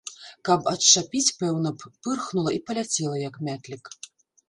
Каб адчапіць, пэўна б, пырхнула і паляцела, як мятлік.